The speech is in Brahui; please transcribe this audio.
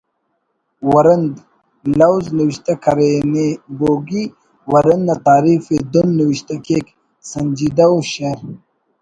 ورند“ لوز نوشتہ کرینے بوگی ورند نا تعریف ءِ دُن نوشتہ کیک ”سنجیدہ ءُ شعر